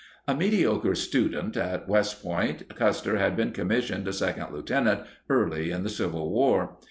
A mediocre student at West Point, Custer had been commissioned a second lieutenant early in the Civil War.